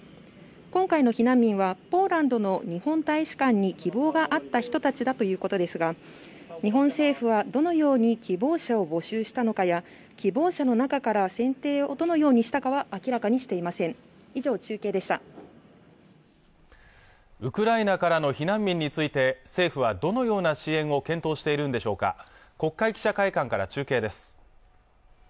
今回の避難民はポーランドの日本大使館に希望があった人たちだということですが日本政府はどのように希望者を募集したのかや希望者の中から選定をどのようにしたかは明らかにしていませんウクライナからの避難民について政府はどのような支援を検討しているんでしょうか国会記者会館から中継です